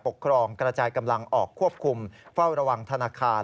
ฝ่ายปกครองกระจายกำลังออกควบคุมเฝ้าระวังธนาคาร